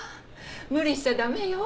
無理しちゃ駄目よ。